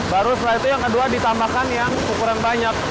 baru setelah itu yang kedua ditambahkan yang ukuran banyak